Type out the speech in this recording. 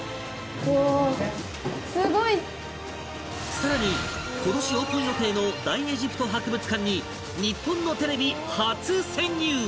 さらに今年オープン予定の大エジプト博物館に日本のテレビ初潜入！